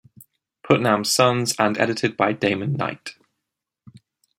Putnam's Sons and edited by Damon Knight.